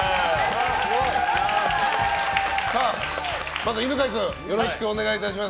まず、犬飼君よろしくお願いいたします。